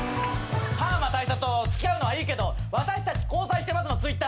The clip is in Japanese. パーマ大佐と付き合うのはいいけど私たち交際してますのＴｗｉｔｔｅｒ